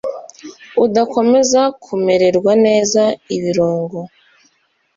udakomeza kumererwa neza Ibirungo